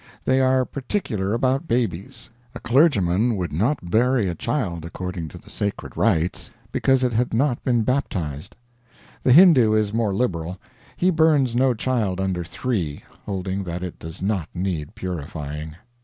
They are particular about babies. A clergyman would not bury a child according to the sacred rites because it had not been baptized. The Hindoo is more liberal. He burns no child under three, holding that it does not need purifying.